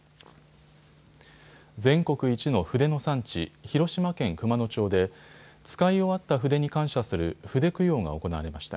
全国一の筆の産地、広島県熊野町で使い終わった筆に感謝する筆供養が行われました。